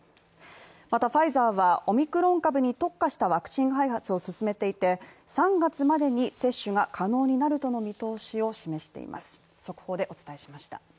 またファイザーはオミクロン株に特化したワクチン開発を進めていて、３月までに接種が可能になるとの見通しを示しています。